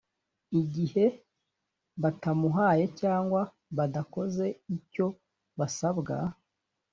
igihe batamuhaye cyangwa badakoze icyo basabwa